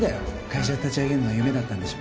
会社を立ち上げるのが夢だったんでしょ。